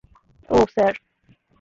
ওহ, sir!